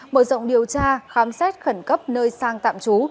mở rộng điều tra khám xét khẩn cấp nơi sang tạm trú